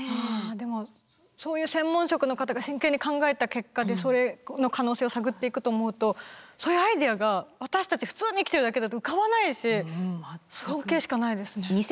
でもそういう専門職の方が真剣に考えた結果でそれの可能性を探っていくと思うとそういうアイデアが私たち普通に生きてるだけだと浮かばないし尊敬しかないですね。